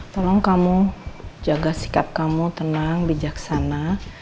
tolong kamu jaga sikap kamu tenang bijaksana